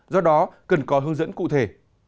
do đó cần có hướng dẫn cụ thể